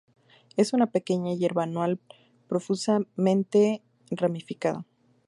Es una pequeña hierba anual, profusamente ramificada.